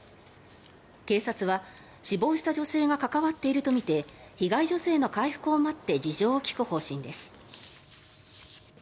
警察は、死亡した女性が関わっているとみて被害女性の回復を待って事情を聴く方針です。